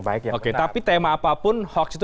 baik oke tapi tema apapun hoax itu